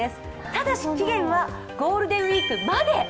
ただし、期限はゴールデンウイークまで。